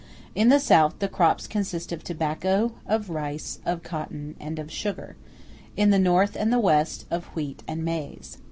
In the South the crops consist of tobacco, of rice, of cotton, and of sugar; in the North and the West, of wheat and maize.